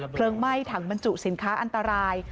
ไหม้ถังบรรจุสินค้าอันตราย